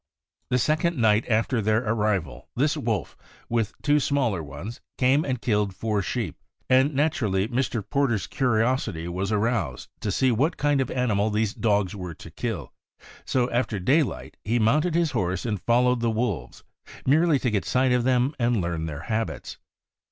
The second night after their arrival this wolf, with two smaller ones, came and killed four sheep, and naturally Mr. Porter's curiosity was aroused to see whatkind of an imimal these dogs were to kill; so after daylight he mounted his horse and followed the wolves, merely to get sight of them and learn their habits.